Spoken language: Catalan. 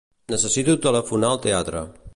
Necessito telefonar al teatre.